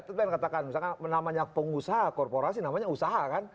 misalkan namanya pengusaha korporasi namanya usaha kan